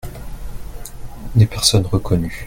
des personnes reconnues.